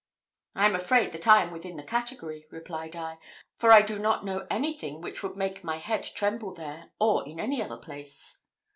"I am afraid that I am within the category," replied I, "for I do not know anything which should make my head tremble there, or in any other place."